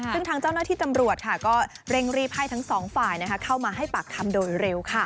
ซึ่งทางเจ้าหน้าที่ตำรวจก็เร่งรีบให้ทั้งสองฝ่ายเข้ามาให้ปากคำโดยเร็ว